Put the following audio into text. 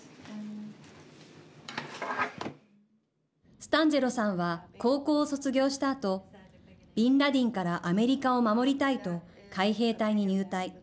スタンジェロさんは高校を卒業したあと「ビンラディンからアメリカを守りたい」と海兵隊に入隊。